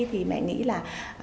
thì mẹ nghĩ là